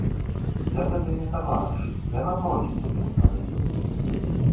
Я табе не таварыш, я напроці цябе стары.